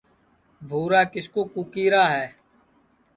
بُھورا کِس کُو کُکی را ہے